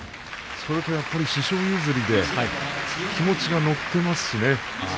それと師匠譲りで気持ちが乗っていますね。